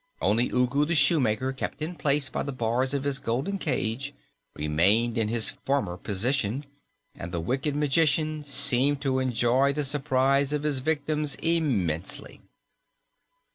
Only Ugu the Shoemaker, kept in place by the bars of his golden cage, remained in his former position, and the wicked magician seemed to enjoy the surprise of his victims immensely.